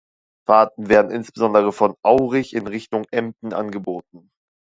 Fahrten werden insbesondere von Aurich in Richtung Emden angeboten.